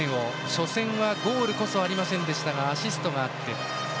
初戦はゴールこそありませんでしたがアシストがあって。